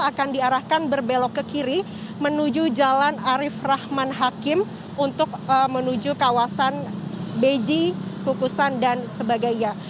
akan diarahkan berbelok ke kiri menuju jalan arif rahman hakim untuk menuju kawasan beji kukusan dan sebagainya